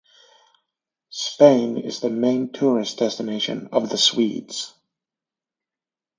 Spain is the main tourist destination of the Swedes.